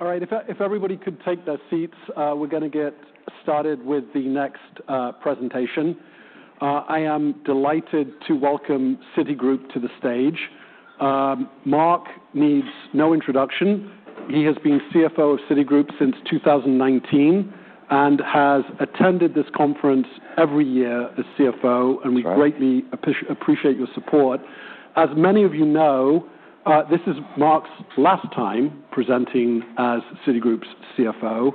All right, if everybody could take their seats, we're going to get started with the next presentation. I am delighted to welcome Citigroup to the stage. Mark needs no introduction. He has been CFO of Citigroup since 2019 and has attended this conference every year as CFO, and we greatly appreciate your support. As many of you know, this is Mark's last time presenting as Citigroup's CFO.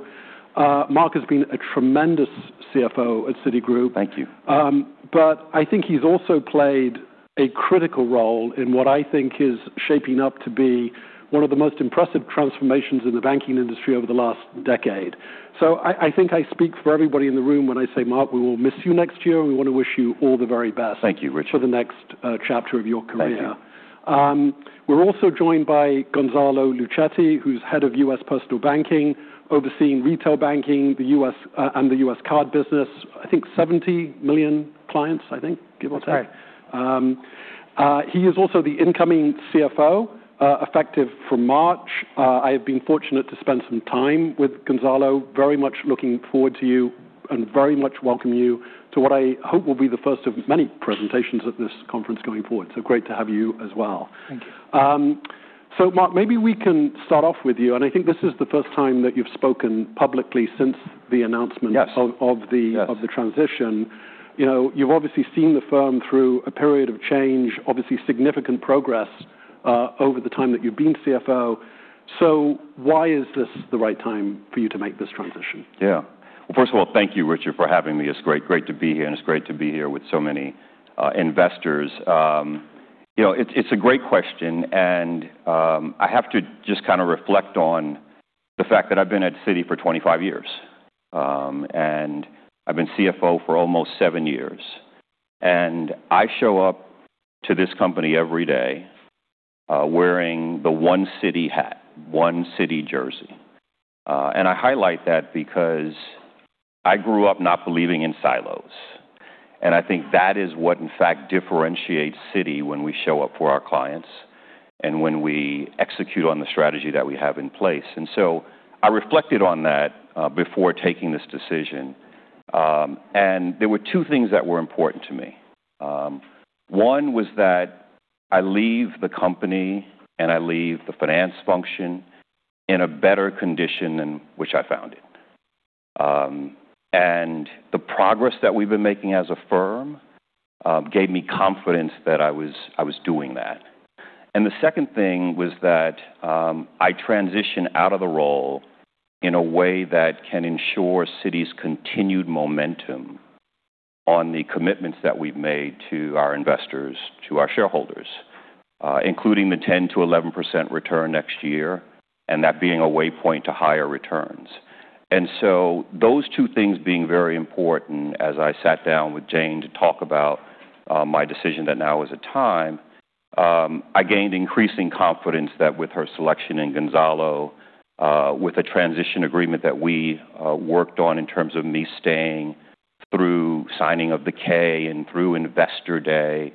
Mark has been a tremendous CFO at Citigroup. Thank you. But I think he's also played a critical role in what I think is shaping up to be one of the most impressive transformations in the banking industry over the last decade. So I think I speak for everybody in the room when I say, Mark, we will miss you next year, and we want to wish you all the very best. Thank you, Richard. For the next chapter of your career. Thank you. We're also joined by Gonzalo Luchetti, who's head of U.S. Personal Banking, overseeing retail banking and the U.S. card business, I think 70 million clients, I think, give or take. He is also the incoming CFO, effective from March. I have been fortunate to spend some time with Gonzalo, very much looking forward to you and very much welcome you to what I hope will be the first of many presentations at this conference going forward. So great to have you as well. Thank you. So Mark, maybe we can start off with you. And I think this is the first time that you've spoken publicly since the announcement of the transition. You've obviously seen the firm through a period of change, obviously significant progress over the time that you've been CFO. So why is this the right time for you to make this transition? Yeah. Well, first of all, thank you, Richard, for having me. It's great to be here, and it's great to be here with so many investors. It's a great question. And I have to just kind of reflect on the fact that I've been at Citi for 25 years, and I've been CFO for almost seven years. And I show up to this company every day wearing the One Citi hat, One Citi jersey. And I highlight that because I grew up not believing in silos. And I think that is what, in fact, differentiates Citi when we show up for our clients and when we execute on the strategy that we have in place. And so I reflected on that before taking this decision. And there were two things that were important to me. One was that I leave the company, and I leave the finance function in a better condition than which I found it. And the progress that we've been making as a firm gave me confidence that I was doing that. And the second thing was that I transition out of the role in a way that can ensure Citi's continued momentum on the commitments that we've made to our investors, to our shareholders, including the 10%-11% return next year and that being a waypoint to higher returns. And so those two things being very important as I sat down with Jane to talk about my decision that now is a time, I gained increasing confidence that with her selection and Gonzalo, with a transition agreement that we worked on in terms of me staying through signing of the K and through Investor Day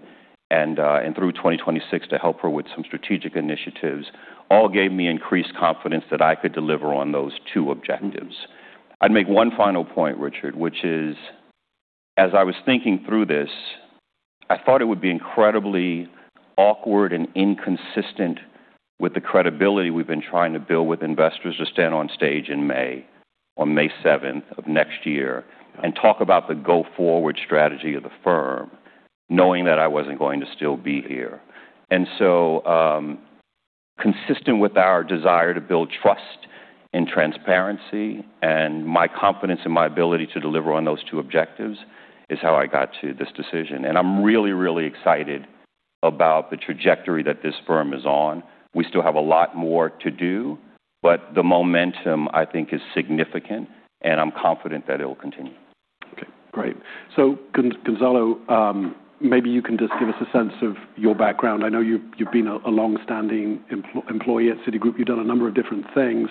and through 2026 to help her with some strategic initiatives, all gave me increased confidence that I could deliver on those two objectives. I'd make one final point, Richard, which is, as I was thinking through this, I thought it would be incredibly awkward and inconsistent with the credibility we've been trying to build with investors to stand on stage in May, on May 7th of next year, and talk about the go-forward strategy of the firm, knowing that I wasn't going to still be here. And so consistent with our desire to build trust and transparency, and my confidence in my ability to deliver on those two objectives is how I got to this decision. And I'm really, really excited about the trajectory that this firm is on. We still have a lot more to do, but the momentum, I think, is significant, and I'm confident that it'll continue. Okay. Great. So Gonzalo, maybe you can just give us a sense of your background. I know you've been a longstanding employee at Citigroup. You've done a number of different things.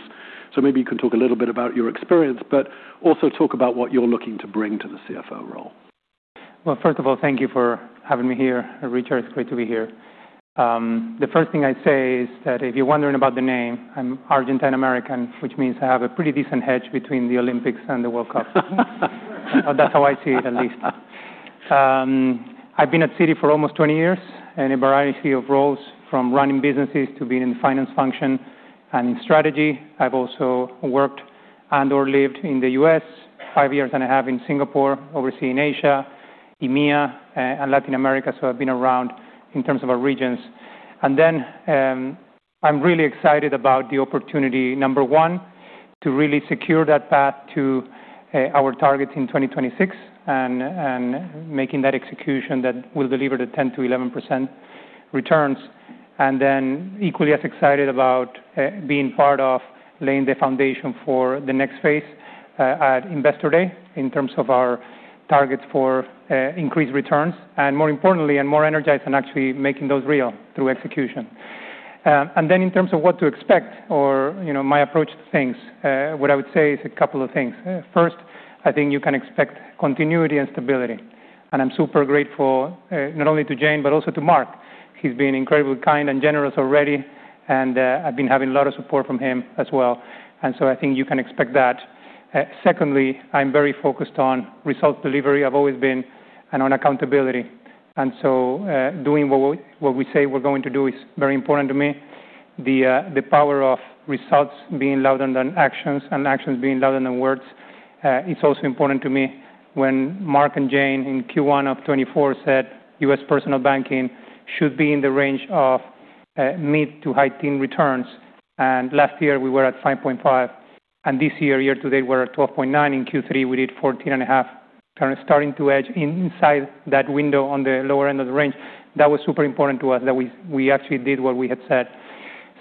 So maybe you can talk a little bit about your experience, but also talk about what you're looking to bring to the CFO role. First of all, thank you for having me here, Richard. It's great to be here. The first thing I'd say is that if you're wondering about the name, I'm Argentine American, which means I have a pretty decent hedge between the Olympics and the World Cup. That's how I see it, at least. I've been at Citi for almost 20 years in a variety of roles, from running businesses to being in the finance function and in strategy. I've also worked and/or lived in the U.S., five years and a half in Singapore, overseeing Asia, EMEA, and Latin America. I've been around in terms of our regions. I'm really excited about the opportunity, number one, to really secure that path to our targets in 2026 and making that execution that will deliver the 10%-11% returns. I am equally as excited about being part of laying the foundation for the next phase at Investor Day in terms of our targets for increased returns and, more importantly, more energized and actually making those real through execution. In terms of what to expect or my approach to things, what I would say is a couple of things. First, I think you can expect continuity and stability. I am super grateful not only to Jane, but also to Mark. He has been incredibly kind and generous already, and I have been having a lot of support from him as well. So I think you can expect that. Secondly, I am very focused on results delivery. I have always been, and on accountability. Doing what we say we are going to do is very important to me. The power of results being louder than actions and actions being louder than words is also important to me. When Mark and Jane in Q1 of 2024 said U.S. Personal Banking should be in the range of mid to high teens returns, and last year we were at 5.5%, and this year, year to date, we're at 12.9%. In Q3, we did 14.5%, starting to edge inside that window on the lower end of the range. That was super important to us that we actually did what we had said.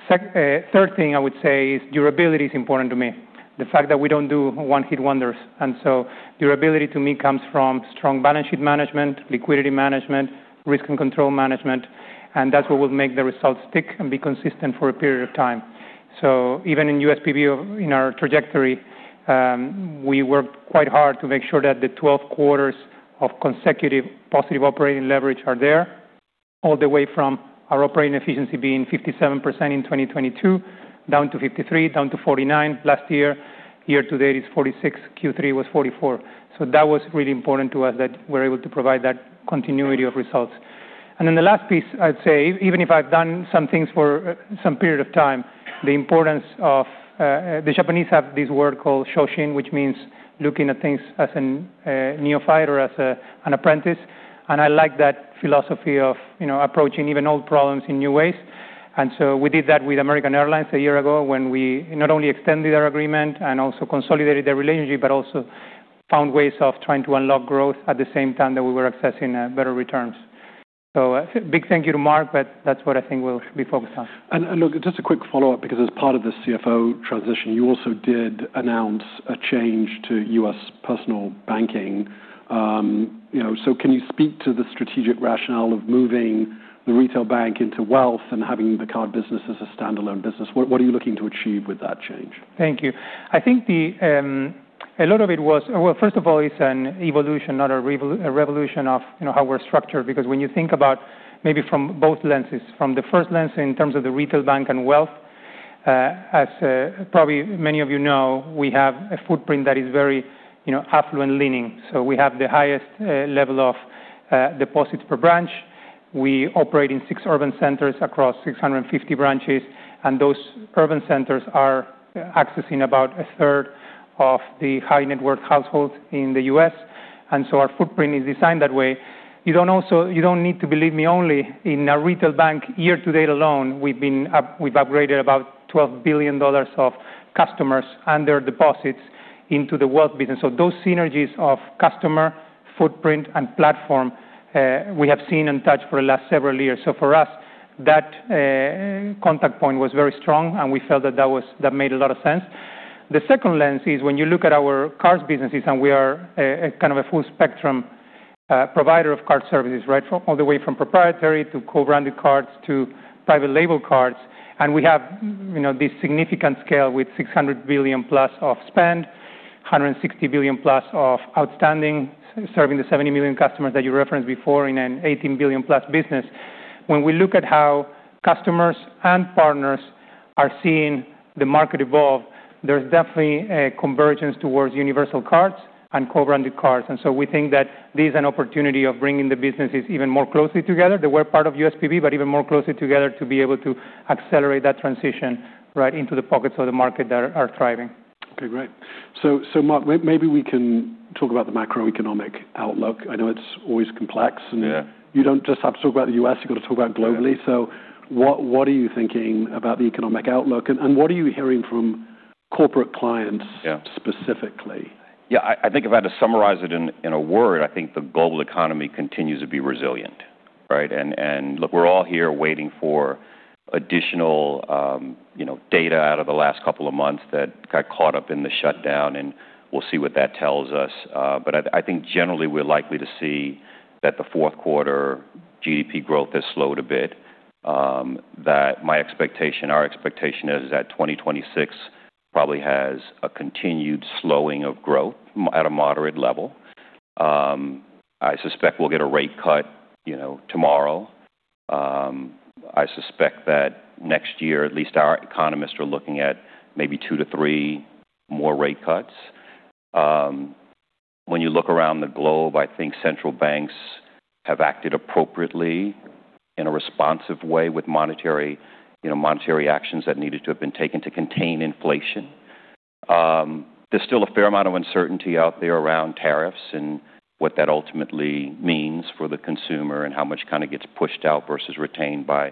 Third thing I would say is durability is important to me, the fact that we don't do one-hit wonders. So durability to me comes from strong balance sheet management, liquidity management, risk and control management, and that's what will make the results stick and be consistent for a period of time. Even in USPB, in our trajectory, we worked quite hard to make sure that the 12 quarters of consecutive positive operating leverage are there, all the way from our operating efficiency being 57% in 2022, down to 53%, down to 49% last year. Year to date is 46%. Q3 was 44%. That was really important to us that we're able to provide that continuity of results. Then the last piece I'd say, even if I've done some things for some period of time, the importance of the Japanese have this word called Shoshin, which means looking at things as a neophyte or as an apprentice. I like that philosophy of approaching even old problems in new ways. We did that with American Airlines a year ago when we not only extended our agreement and also consolidated their relationship, but also found ways of trying to unlock growth at the same time that we were accessing better returns. A big thank you to Mark, but that's what I think we'll be focused on. Look, just a quick follow-up, because as part of the CFO transition, you also did announce a change to U.S. Personal Banking. So can you speak to the strategic rationale of moving the Retail Bank into Wealth and having the card business as a standalone business? What are you looking to achieve with that change? Thank you. I think a lot of it was, well, first of all, it's an evolution, not a revolution of how we're structured, because when you think about maybe from both lenses, from the first lens in terms of the Retail Bank and Wealth, as probably many of you know, we have a footprint that is very affluent-leaning. So we have the highest level of deposits per branch. We operate in six urban centers across 650 branches, and those urban centers are accessing about a third of the high net-worth households in the U.S., and so our footprint is designed that way. You don't need to believe me only. In our Retail Bank, year-to-date alone, we've upgraded about $12 billion of customers and their deposits into the Wealth business. So those synergies of customer footprint and platform we have seen and touched for the last several years. So for us, that contact point was very strong, and we felt that that made a lot of sense. The second lens is when you look at our card businesses, and we are kind of a full-spectrum provider of card services, right, all the way from proprietary to co-branded cards to private label cards. And we have this significant scale with $600 billion plus of spend, $160 billion plus of outstanding, serving the 70 million customers that you referenced before in an $18 billion plus business. When we look at how customers and partners are seeing the market evolve, there's definitely a convergence towards universal cards and co-branded cards. We think that this is an opportunity of bringing the businesses even more closely together that were part of USPB, but even more closely together to be able to accelerate that transition right into the pockets of the market that are thriving. Okay. Great. So Mark, maybe we can talk about the macroeconomic outlook. I know it's always complex, and you don't just have to talk about the U.S. You've got to talk about globally. So what are you thinking about the economic outlook, and what are you hearing from corporate clients specifically? Yeah. I think if I had to summarize it in a word, I think the global economy continues to be resilient, right? And look, we're all here waiting for additional data out of the last couple of months that got caught up in the shutdown, and we'll see what that tells us. But I think generally we're likely to see that the fourth quarter GDP growth has slowed a bit, that my expectation, our expectation is that 2026 probably has a continued slowing of growth at a moderate level. I suspect we'll get a rate cut tomorrow. I suspect that next year, at least our economists are looking at maybe two to three more rate cuts. When you look around the globe, I think central banks have acted appropriately in a responsive way with monetary actions that needed to have been taken to contain inflation. There's still a fair amount of uncertainty out there around tariffs and what that ultimately means for the consumer and how much kind of gets pushed out versus retained by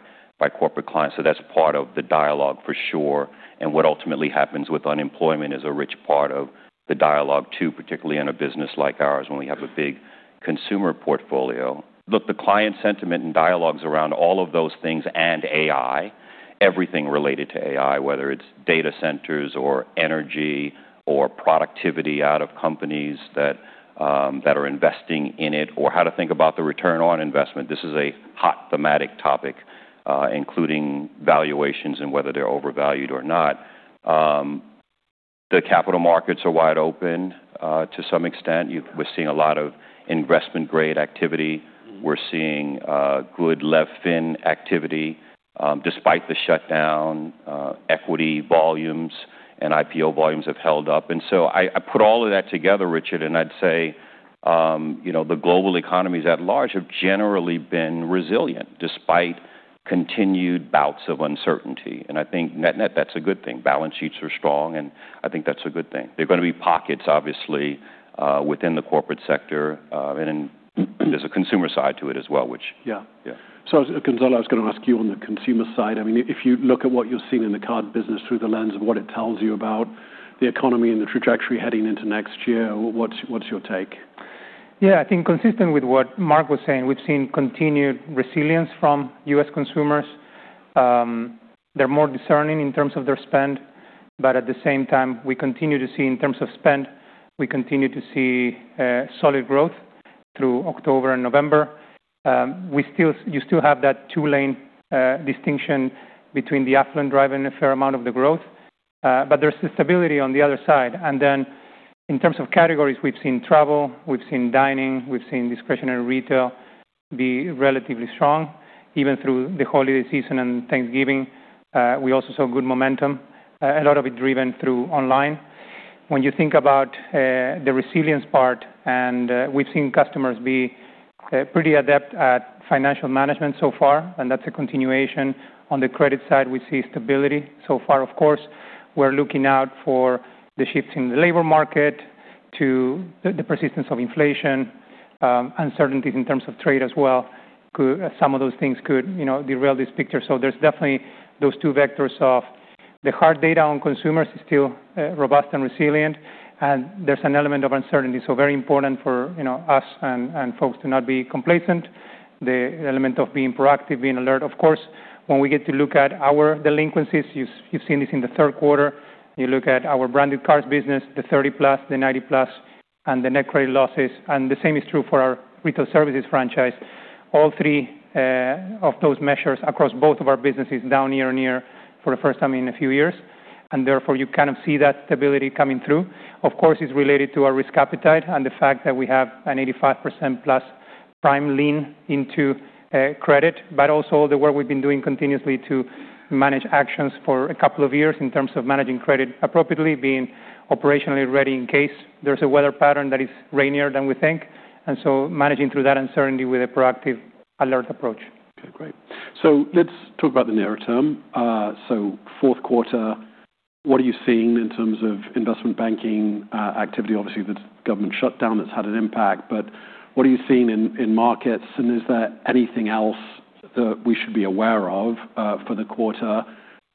corporate clients. So that's part of the dialogue, for sure. And what ultimately happens with unemployment is a rich part of the dialogue, too, particularly in a business like ours when we have a big consumer portfolio. Look, the client sentiment and dialogues around all of those things and AI, everything related to AI, whether it's data centers or energy or productivity out of companies that are investing in it or how to think about the return on investment. This is a hot thematic topic, including valuations and whether they're overvalued or not. The capital markets are wide open to some extent. We're seeing a lot of investment grade activity. We're seeing good leveraged finance activity. Despite the shutdown, equity volumes and IPO volumes have held up. And so I put all of that together, Richard, and I'd say the global economies at large have generally been resilient despite continued bouts of uncertainty. And I think net-net, that's a good thing. Balance sheets are strong, and I think that's a good thing. There are going to be pockets, obviously, within the corporate sector, and there's a consumer side to it as well, which. Yeah, so Gonzalo, I was going to ask you on the consumer side. I mean, if you look at what you're seeing in the card business through the lens of what it tells you about the economy and the trajectory heading into next year, what's your take? Yeah. I think consistent with what Mark was saying, we've seen continued resilience from U.S. consumers. They're more discerning in terms of their spend, but at the same time, we continue to see in terms of spend, we continue to see solid growth through October and November. You still have that two-lane distinction between the affluent driving a fair amount of the growth, but there's stability on the other side, and then in terms of categories, we've seen travel, we've seen dining, we've seen discretionary retail be relatively strong even through the holiday season and Thanksgiving. We also saw good momentum, a lot of it driven through online. When you think about the resilience part, and we've seen customers be pretty adept at financial management so far, and that's a continuation. On the credit side, we see stability so far. Of course, we're looking out for the shifts in the labor market to the persistence of inflation, uncertainties in terms of trade as well. Some of those things could derail this picture. So there's definitely those two vectors of the hard data on consumers is still robust and resilient, and there's an element of uncertainty. So very important for us and folks to not be complacent, the element of being proactive, being alert. Of course, when we get to look at our delinquencies, you've seen this in the third quarter. You look at our Branded Cards business, the 30+, the 90+, and the net credit losses. And the same is true for our Retail Services franchise. All three of those measures across both of our businesses down year on year for the first time in a few years. And therefore, you kind of see that stability coming through. Of course, it's related to our risk appetite and the fact that we have an 85%+ prime lean into credit, but also the work we've been doing continuously to manage actions for a couple of years in terms of managing credit appropriately, being operationally ready in case there's a weather pattern that is rainier than we think, and so managing through that uncertainty with a proactive alert approach. Okay. Great. So let's talk about the nearer term. So fourth quarter, what are you seeing in terms of Investment Banking activity? Obviously, the government shutdown has had an impact, but what are you seeing in Markets? And is there anything else that we should be aware of for the quarter?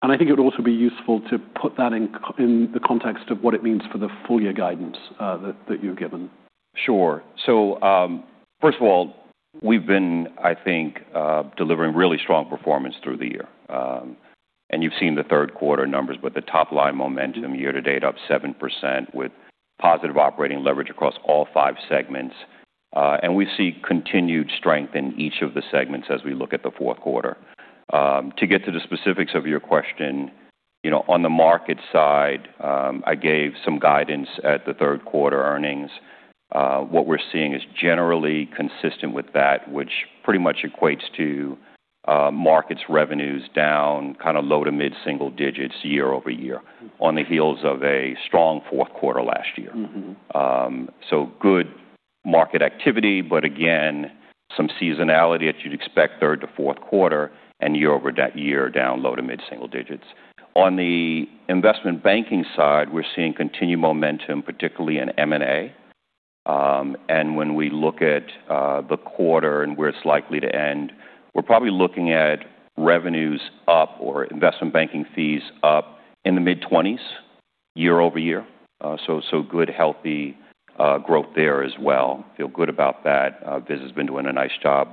And I think it would also be useful to put that in the context of what it means for the full year guidance that you've given. Sure. So first of all, we've been, I think, delivering really strong performance through the year. And you've seen the third quarter numbers, but the top-line momentum year to date up 7% with positive operating leverage across all five segments. And we see continued strength in each of the segments as we look at the fourth quarter. To get to the specifics of your question, on the market side, I gave some guidance at the third quarter earnings. What we're seeing is generally consistent with that, which pretty much equates to Markets revenues down kind of low to mid single digits year-over-year on the heels of a strong fourth quarter last year. So good market activity, but again, some seasonality that you'd expect third to fourth quarter and year over that year down low to mid single digits. On the Investment Banking side, we're seeing continued momentum, particularly in M&A. And when we look at the quarter and where it's likely to end, we're probably looking at revenues up or Investment Banking fees up in the mid-20s year-over-year. So good, healthy growth there as well. Feel good about that. Vis has been doing a nice job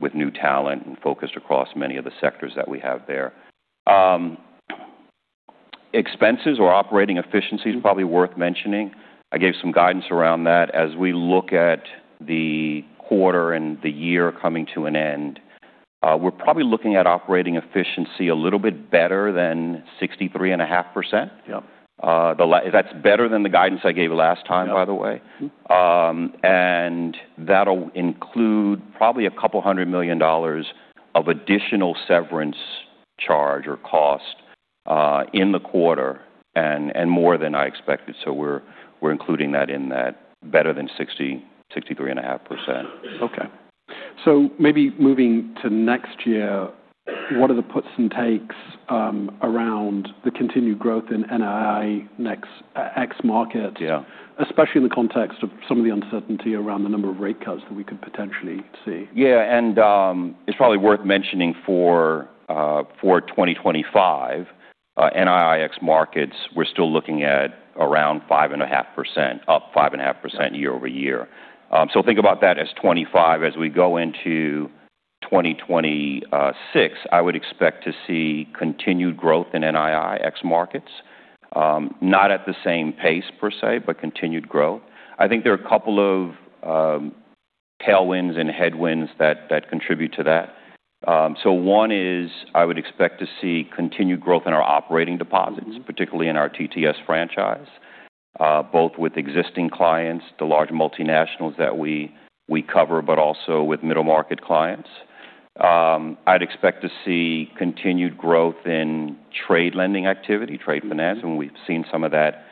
with new talent and focused across many of the sectors that we have there. Expenses or operating efficiency is probably worth mentioning. I gave some guidance around that. As we look at the quarter and the year coming to an end, we're probably looking at operating efficiency a little bit better than 63.5%. That's better than the guidance I gave last time, by the way. And that'll include probably a couple of hundred million dollars of additional severance charge or cost in the quarter and more than I expected. We're including that in that better than 63.5%. Okay. So maybe moving to next year, what are the puts and takes around the continued growth in NII ex-Markets, especially in the context of some of the uncertainty around the number of rate cuts that we could potentially see? Yeah. And it's probably worth mentioning for 2025, NII ex-Markets, we're still looking at around 5.5%, up 5.5% year over year. So think about that as 2.5. As we go into 2026, I would expect to see continued growth in NII ex-Markets, not at the same pace per se, but continued growth. I think there are a couple of tailwinds and headwinds that contribute to that. So one is I would expect to see continued growth in our operating deposits, particularly in our TTS franchise, both with existing clients, the large multinationals that we cover, but also with middle market clients. I'd expect to see continued growth in trade lending activity, trade finance. And we've seen some of that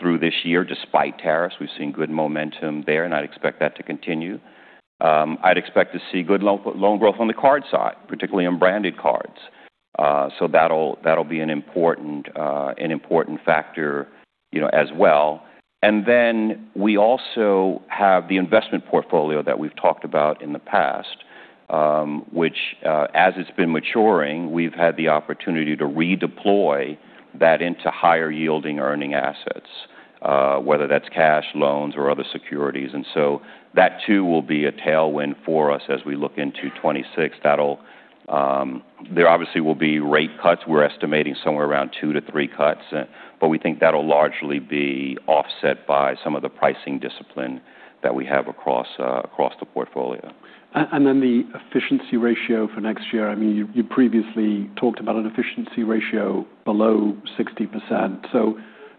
through this year. Despite tariffs, we've seen good momentum there, and I'd expect that to continue. I'd expect to see good loan growth on the card side, particularly on Branded Cards. So that'll be an important factor as well. And then we also have the investment portfolio that we've talked about in the past, which, as it's been maturing, we've had the opportunity to redeploy that into higher-yielding earning assets, whether that's cash, loans, or other securities. And so that too will be a tailwind for us as we look into 2026. There obviously will be rate cuts. We're estimating somewhere around 2-3 cuts, but we think that'll largely be offset by some of the pricing discipline that we have across the portfolio. And then the efficiency ratio for next year. I mean, you previously talked about an efficiency ratio below 60%. So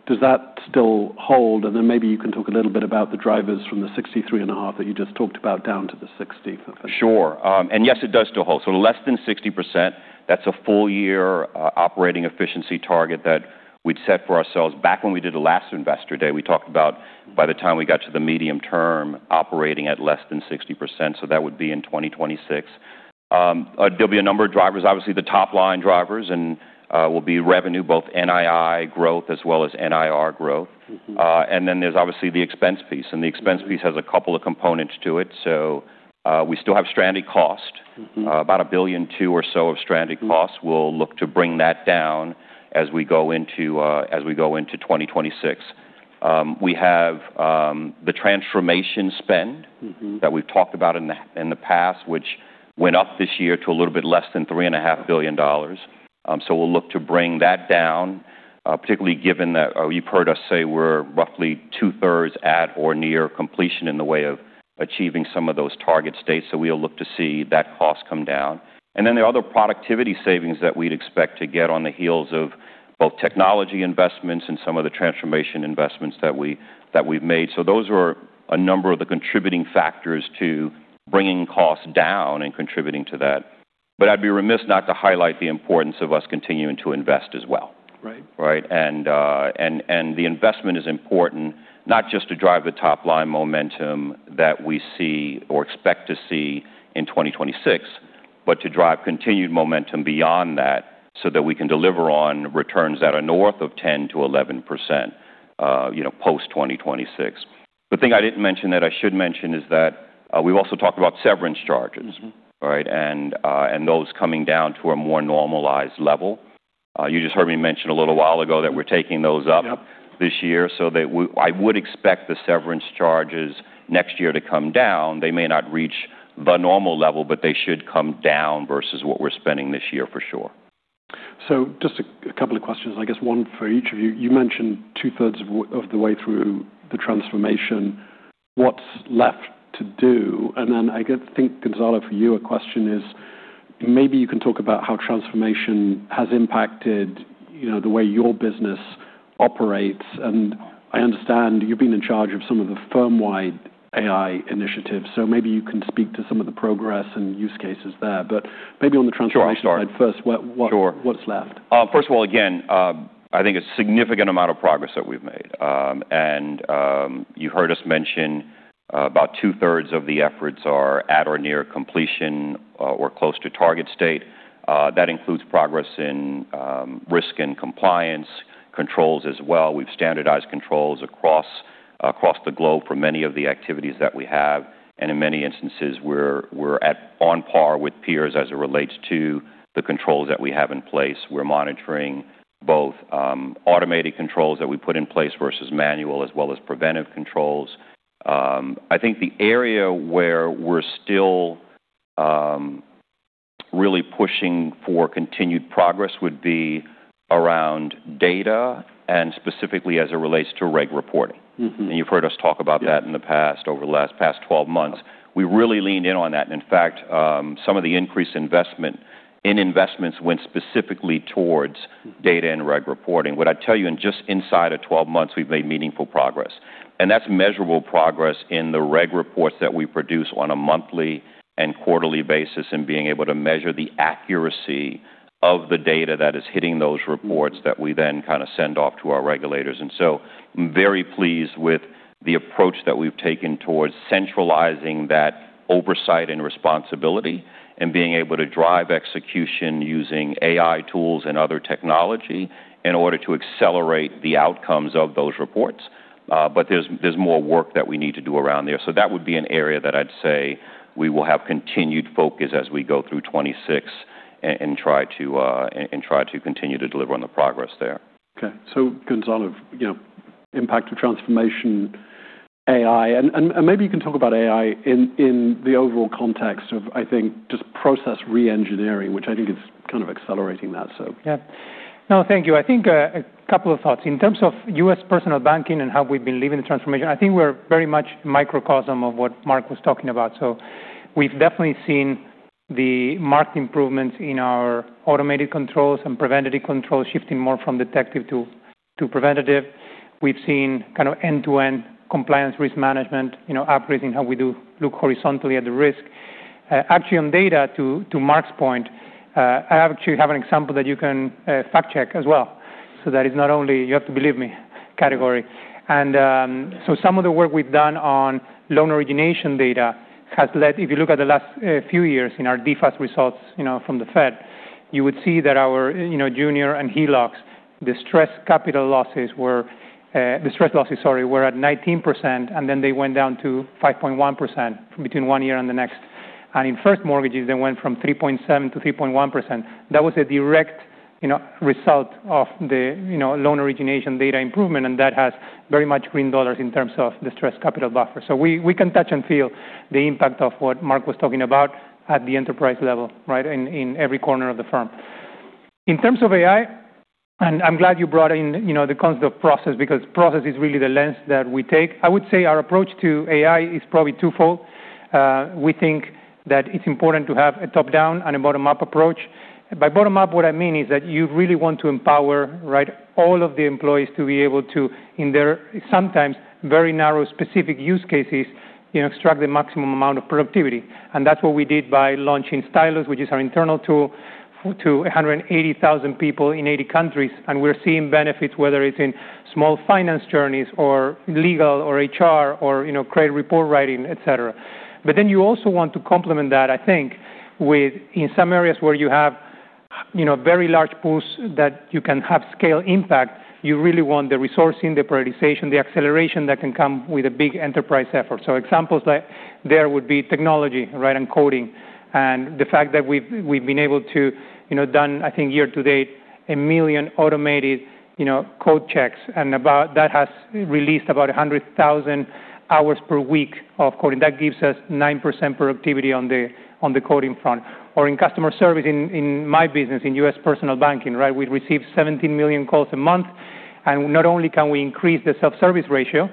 does that still hold? And then maybe you can talk a little bit about the drivers from the 63.5% that you just talked about down to the 60%. Sure. And yes, it does still hold. So less than 60%, that's a full-year operating efficiency target that we'd set for ourselves back when we did the last Investor Day. We talked about by the time we got to the medium term operating at less than 60%. So that would be in 2026. There'll be a number of drivers, obviously the top-line drivers, and will be revenue, both NII growth as well as NIR growth. And then there's obviously the expense piece. And the expense piece has a couple of components to it. So we still have stranded cost, about $1 billion-$2 billion or so of stranded costs. We'll look to bring that down as we go into 2026. We have the transformation spend that we've talked about in the past, which went up this year to a little bit less than $3.5 billion. So we'll look to bring that down, particularly given that you've heard us say we're roughly two-thirds at or near completion in the way of achieving some of those target states. So we'll look to see that cost come down. And then there are other productivity savings that we'd expect to get on the heels of both technology investments and some of the transformation investments that we've made. So those are a number of the contributing factors to bringing costs down and contributing to that. But I'd be remiss not to highlight the importance of us continuing to invest as well. Right? And the investment is important not just to drive the top-line momentum that we see or expect to see in 2026, but to drive continued momentum beyond that so that we can deliver on returns that are north of 10%-11% post-2026. The thing I didn't mention that I should mention is that we've also talked about severance charges, right, and those coming down to a more normalized level. You just heard me mention a little while ago that we're taking those up this year. So I would expect the severance charges next year to come down. They may not reach the normal level, but they should come down versus what we're spending this year for sure. So just a couple of questions, I guess, one for each of you. You mentioned two-thirds of the way through the transformation. What's left to do? And then I think, Gonzalo, for you, a question is maybe you can talk about how transformation has impacted the way your business operates. And I understand you've been in charge of some of the firm-wide AI initiatives. So maybe you can speak to some of the progress and use cases there. But maybe on the transformation side first, what's left? Sure. First of all, again, I think a significant amount of progress that we've made. You heard us mention about two-thirds of the efforts are at or near completion or close to target state. That includes progress in risk and compliance controls as well. We've standardized controls across the globe for many of the activities that we have. In many instances, we're on par with peers as it relates to the controls that we have in place. We're monitoring both automated controls that we put in place versus manual as well as preventive controls. I think the area where we're still really pushing for continued progress would be around data and specifically as it relates to regulatory reporting. You've heard us talk about that in the past over the last 12 months. We really leaned in on that. In fact, some of the increased investment in investments went specifically towards data and regulatory reporting. I tell you, in just inside of 12 months, we've made meaningful progress. That's measurable progress in the regulatory reports that we produce on a monthly and quarterly basis and being able to measure the accuracy of the data that is hitting those reports that we then kind of send off to our regulators. So I'm very pleased with the approach that we've taken towards centralizing that oversight and responsibility and being able to drive execution using AI tools and other technology in order to accelerate the outcomes of those reports. There's more work that we need to do around there. That would be an area that I'd say we will have continued focus as we go through 2026 and try to continue to deliver on the progress there. Okay. So, Gonzalo, impact of transformation, AI. And maybe you can talk about AI in the overall context of, I think, just process re-engineering, which I think is kind of accelerating that, so. Yeah. No, thank you. I think a couple of thoughts. In terms of U.S. Personal Banking and how we've been living the transformation, I think we're very much microcosm of what Mark was talking about. So we've definitely seen the marked improvements in our automated controls and preventative controls shifting more from detective to preventative. We've seen kind of end-to-end compliance risk management, upgrading how we do look horizontally at the risk. Actually, on data, to Mark's point, I actually have an example that you can fact-check as well. So that is not only you have to believe me category. Some of the work we've done on loan origination data has led, if you look at the last few years in our DFAST results from the Fed, you would see that our junior and HELOCs, the stress capital losses, were the stress losses, sorry, were at 19%, and then they went down to 5.1% between one year and the next. In first mortgages, they went from 3.7% to 3.1%. That was a direct result of the loan origination data improvement, and that has very much green dollars in terms of the stress capital buffer. We can touch and feel the impact of what Mark was talking about at the enterprise level, right, in every corner of the firm. In terms of AI, and I'm glad you brought in the concept of process because process is really the lens that we take. I would say our approach to AI is probably twofold. We think that it's important to have a top-down and a bottom-up approach. By bottom-up, what I mean is that you really want to empower all of the employees to be able to, in their sometimes very narrow specific use cases, extract the maximum amount of productivity, and that's what we did by launching Stylus, which is our internal tool to 180,000 people in 80 countries, and we're seeing benefits, whether it's in small finance journeys or legal or HR or credit report writing, etc., but then you also want to complement that, I think, within some areas where you have very large boosts that you can have scale impact, you really want the resourcing, the prioritization, the acceleration that can come with a big enterprise effort, so examples there would be technology, right, and coding. And the fact that we've been able to done, I think, year to date, a million automated code checks. And that has released about 100,000 hours per week of coding. That gives us 9% productivity on the coding front. Or in customer service in my business, in U.S. Personal Banking, right, we receive 17 million calls a month. And not only can we increase the self-service ratio,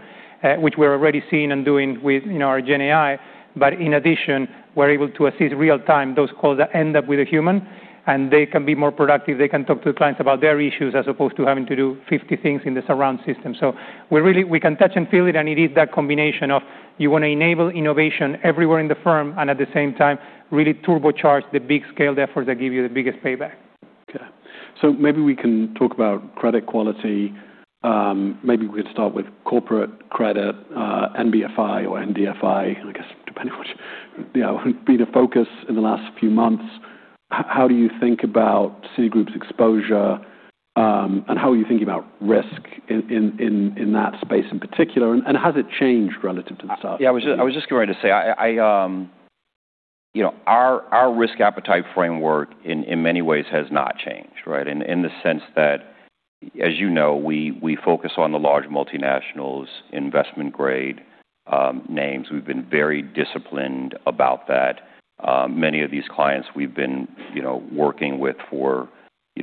which we're already seeing and doing with our GenAI, but in addition, we're able to assist real-time those calls that end up with a human, and they can be more productive. They can talk to the clients about their issues as opposed to having to do 50 things in the surround system. So we can touch and feel it, and it is that combination of you want to enable innovation everywhere in the firm and at the same time really turbocharge the big scale efforts that give you the biggest payback. Okay. So maybe we can talk about credit quality. Maybe we could start with corporate credit, NBFI or NDFI, I guess, depending on what's been a focus in the last few months. How do you think about Citigroup's exposure, and how are you thinking about risk in that space in particular, and has it changed relative to the stock? Yeah, I was just going to say our risk appetite framework in many ways has not changed, right, in the sense that, as you know, we focus on the large multinationals, investment-grade names. We've been very disciplined about that. Many of these clients we've been working with for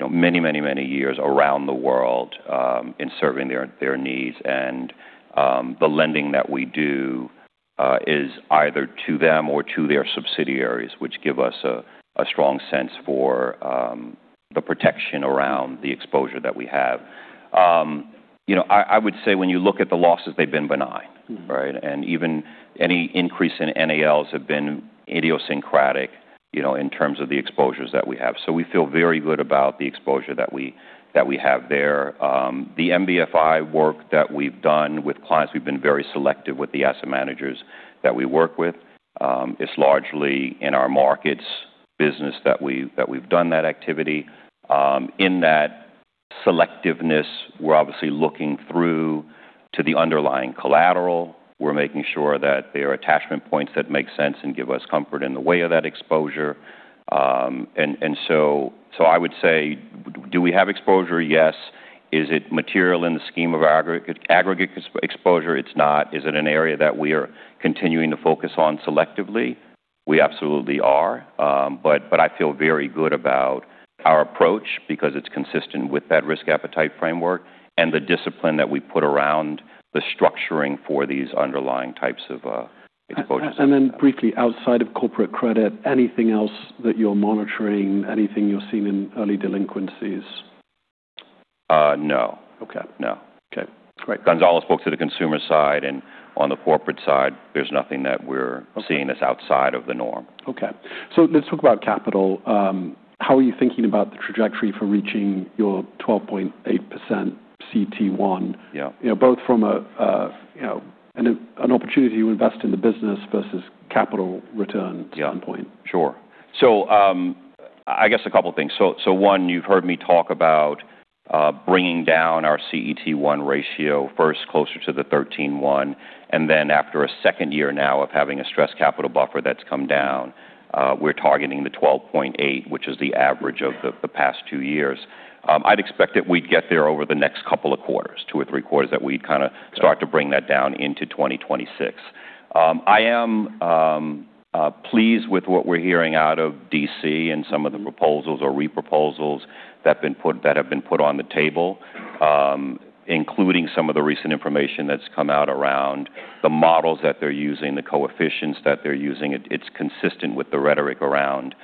many, many, many years around the world in serving their needs. And the lending that we do is either to them or to their subsidiaries, which give us a strong sense for the protection around the exposure that we have. I would say when you look at the losses, they've been benign, right? And even any increase in NALs have been idiosyncratic in terms of the exposures that we have. So we feel very good about the exposure that we have there. The NBFI work that we've done with clients, we've been very selective with the asset managers that we work with. It's largely in our Markets business that we've done that activity. In that selectiveness, we're obviously looking through to the underlying collateral. We're making sure that there are attachment points that make sense and give us comfort in the way of that exposure. And so I would say, do we have exposure? Yes. Is it material in the scheme of aggregate exposure? It's not. Is it an area that we are continuing to focus on selectively? We absolutely are, but I feel very good about our approach because it's consistent with that risk appetite framework and the discipline that we put around the structuring for these underlying types of exposures. And then briefly, outside of corporate credit, anything else that you're monitoring, anything you're seeing in early delinquencies? No. No. Okay. Great. Gonzalo spoke to the consumer side, and on the corporate side, there's nothing that we're seeing that's outside of the norm. Okay, so let's talk about capital. How are you thinking about the trajectory for reaching your 12.8% CET1, both from an opportunity to invest in the business versus capital return standpoint? Yeah. Sure. So I guess a couple of things. So one, you've heard me talk about bringing down our CET1 ratio, first closer to the 13.1%. And then after a second year now of having a stress capital buffer that's come down, we're targeting the 12.8%, which is the average of the past two years. I'd expect that we'd get there over the next couple of quarters, two or three quarters, that we'd kind of start to bring that down into 2026. I am pleased with what we're hearing out of DC and some of the proposals or re-proposals that have been put on the table, including some of the recent information that's come out around the models that they're using, the coefficients that they're using. It's consistent with the rhetoric around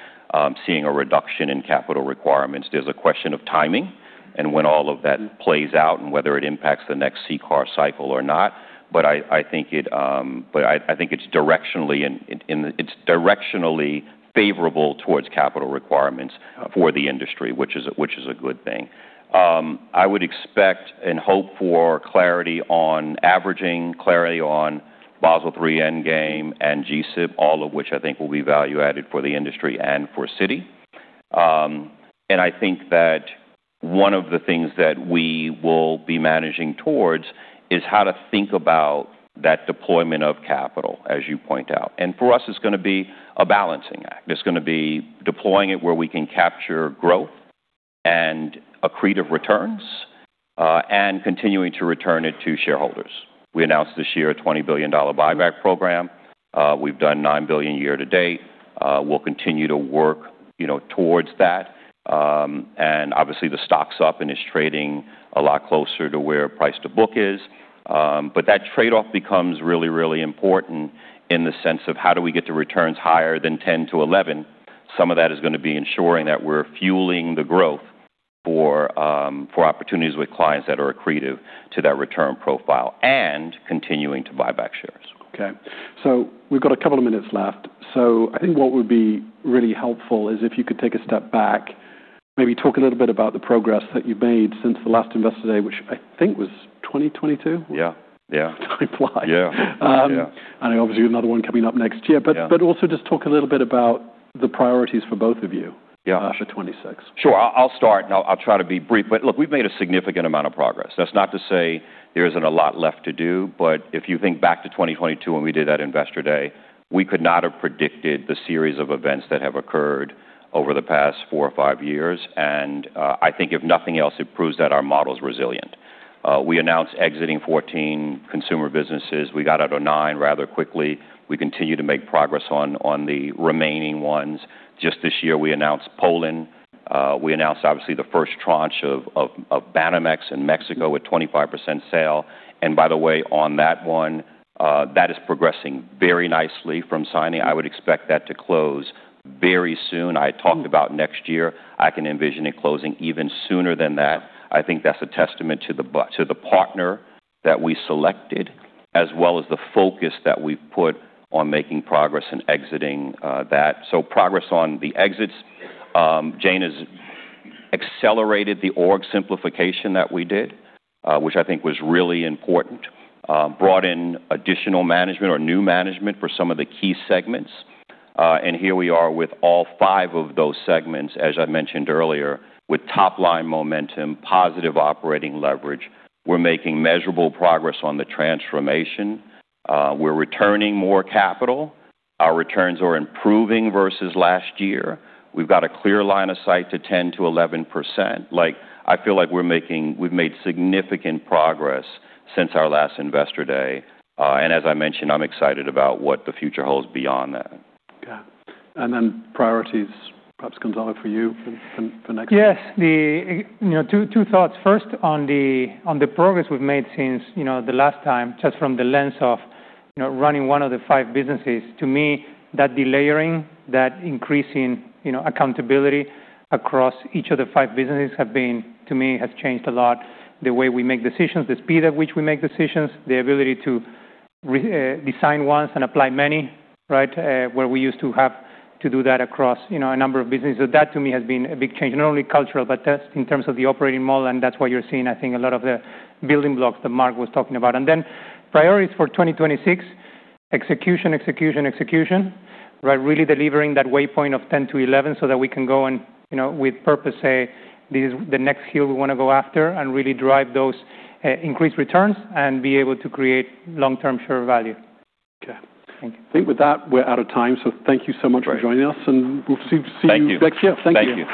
seeing a reduction in capital requirements. There's a question of timing and when all of that plays out and whether it impacts the next CCAR cycle or not, but I think it's directionally favorable towards capital requirements for the industry, which is a good thing. I would expect and hope for clarity on averaging, clarity on Basel III Endgame and G-SIB, all of which I think will be value-added for the industry and for Citi, and I think that one of the things that we will be managing towards is how to think about that deployment of capital, as you point out. And for us, it's going to be a balancing act. It's going to be deploying it where we can capture growth and accretive returns and continuing to return it to shareholders. We announced this year a $20 billion buyback program. We've done $9 billion year-to-date. We'll continue to work towards that. Obviously, the stock's up and is trading a lot closer to where price to book is. That trade-off becomes really, really important in the sense of how do we get the returns higher than 10-11? Some of that is going to be ensuring that we're fueling the growth for opportunities with clients that are accretive to that return profile and continuing to buy back shares. Okay. So we've got a couple of minutes left. So I think what would be really helpful is if you could take a step back, maybe talk a little bit about the progress that you've made since the last Investor Day, which I think was 2022? Yeah. Yeah. Time flies. And obviously, another one coming up next year. But also just talk a little bit about the priorities for both of you for 2026. Sure. I'll start, and I'll try to be brief. But look, we've made a significant amount of progress. That's not to say there isn't a lot left to do. But if you think back to 2022 when we did that Investor Day, we could not have predicted the series of events that have occurred over the past four or five years. And I think if nothing else, it proves that our model is resilient. We announced exiting 14 consumer businesses. We got out of nine rather quickly. We continue to make progress on the remaining ones. Just this year, we announced Poland. We announced, obviously, the first tranche of Banamex in Mexico with 25% sale. And by the way, on that one, that is progressing very nicely from signing. I would expect that to close very soon. I talked about next year. I can envision it closing even sooner than that. I think that's a testament to the partner that we selected, as well as the focus that we've put on making progress and exiting that. So progress on the exits. Jane has accelerated the org simplification that we did, which I think was really important, brought in additional management or new management for some of the key segments. And here we are with all five of those segments, as I mentioned earlier, with top-line momentum, positive operating leverage. We're making measurable progress on the transformation. We're returning more capital. Our returns are improving versus last year. We've got a clear line of sight to 10%-11%. I feel like we've made significant progress since our last Investor Day. And as I mentioned, I'm excited about what the future holds beyond that. Okay, and then priorities, perhaps, Gonzalo, for you for next year? Yes. Two thoughts. First, on the progress we've made since the last time, just from the lens of running one of the five businesses. To me, that delayering, that increasing accountability across each of the five businesses have been, to me, has changed a lot the way we make decisions, the speed at which we make decisions, the ability to design once and apply many, right, where we used to have to do that across a number of businesses. So that, to me, has been a big change, not only cultural, but just in terms of the operating model. And that's why you're seeing, I think, a lot of the building blocks that Mark was talking about. And then priorities for 2026: execution, execution, execution, right. Really delivering that waypoint of 10-11 so that we can go and, with purpose, say, this is the next hill we want to go after and really drive those increased returns and be able to create long-term share value. Okay. I think with that, we're out of time, so thank you so much for joining us, and we'll see you next year. Thank you.